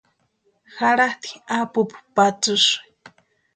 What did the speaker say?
Jaratʼi apupu patsisï.